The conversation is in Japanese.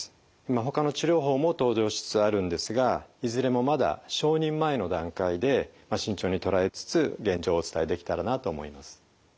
ほかの治療法も登場しつつあるんですがいずれもまだ承認前の段階で慎重に捉えつつ現状をお伝えできたらなと思います。